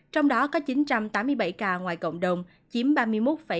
trong đó có chín trăm tám mươi bảy ca ngoài cộng đồng chiếm ba mươi một ba mươi năm